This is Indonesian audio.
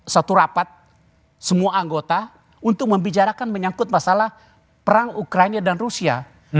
satu rapat semua anggota untuk membicarakan menyangkut masalah perang ukraina dan rusia